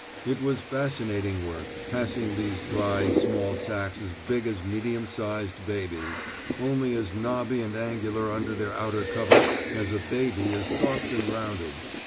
It was fascinating work, passing these dry, small sacks as big as medium sized babies, only as knobby and angular under their outer cover as a baby is soft and rounded.